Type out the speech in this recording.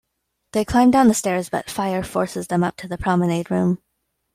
They climb down the stairs but fire forces them up to the Promenade Room.